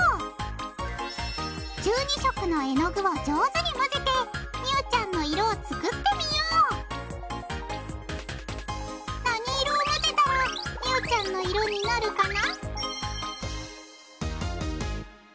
１２色のえのぐを上手にまぜてみゅーちゃんのいろを作ってみよう何いろをまぜたらみゅーちゃんのいろになるかな？